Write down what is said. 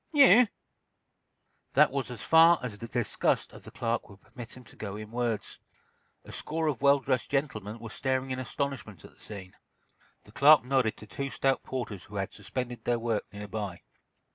"You—" That was as far as the disgust of the clerk would permit him to go in words. A score of well dressed gentlemen were staring in astonishment at the scene. The clerk nodded to two stout porters who had suspended their work nearby.